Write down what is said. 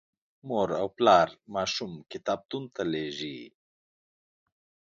مور او پلار ماشوم کتابتون ته لیږي.